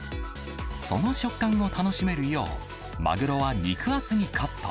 その食感を楽しめるよう、マグロは肉厚にカット。